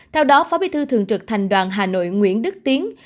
theo đó phó bí thư thường trực thành đoàn hà nội nguyễn đức tiến